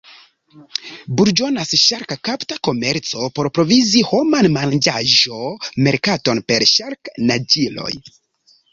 Burĝonas ŝark-kapta komerco por provizi homan manĝaĵo-merkaton per ŝark-naĝiloj.